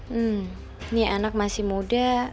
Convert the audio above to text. hmm ini anak masih muda